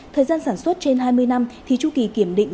thời gian sản xuất trên hai mươi năm thì chu kỳ kiểm định